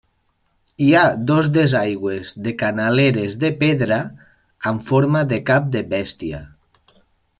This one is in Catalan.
Hi ha dos desaigües de canaleres de pedra amb forma de cap de bèstia.